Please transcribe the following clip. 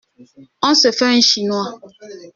On se fait un chinois?